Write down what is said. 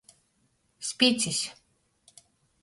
Spicis.